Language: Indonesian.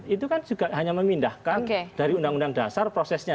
itu kan juga hanya memindahkan dari undang undang dasar prosesnya